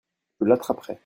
Je l'attraperai.